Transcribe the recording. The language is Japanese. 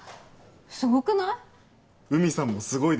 すごくない？